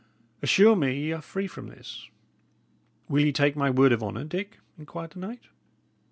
"Assure me ye are free from this." "Will ye take my word of honour, Dick?" inquired the knight.